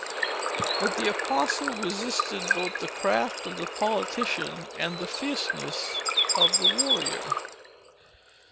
But the apostle resisted both the craft of the politician, and the fierceness of the warrior.